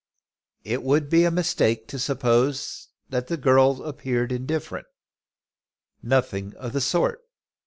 It would be a mistake to suppose that the girl appeared indifferent. Nothing of the sort.